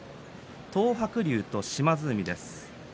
東白龍と島津海です。